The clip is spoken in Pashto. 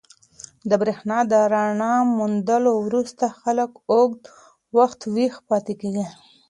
د برېښنا د رڼا موندلو وروسته خلک اوږده وخت ویښ پاتې کېږي.